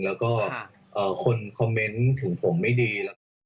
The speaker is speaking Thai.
แล้วก็คนคอมเมนต์ถึงผมไม่ดีแล้วก็